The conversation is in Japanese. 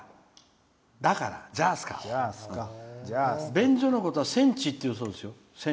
便所のこと「せんち」っていうそうですよ。